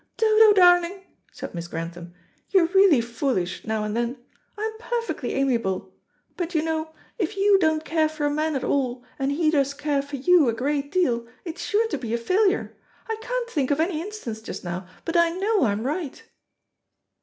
"Dodo, darling," said Miss Grantham, "you're really foolish, now and then. I'm perfectly amiable. But, you know, if you don't care for a man at all, and he does care for you a great deal, it's sure to be a failure. I can't think of any instance just now, but I know I'm right."